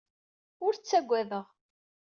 Ur ttagadeɣ.